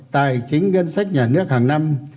tài chính ngân sách nhà nước hàng năm